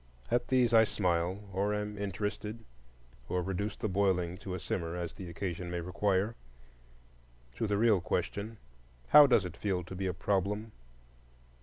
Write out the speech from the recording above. At these I smile, or am interested, or reduce the boiling to a simmer, as the occasion may require. To the real question, How does it feel to be a problem?